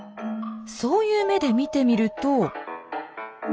そういう目で見てみると。